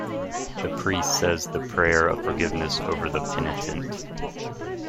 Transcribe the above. The priest says the prayer of forgiveness over the penitent.